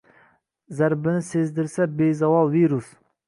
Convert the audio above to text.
Zarbini sezdirsa bezavol virus.